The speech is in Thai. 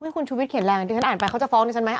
คุณชูวิทเขียนอะไรอ่ะเดี๋ยวฉันอ่านไปเขาจะฟ้องด้วยฉันไหม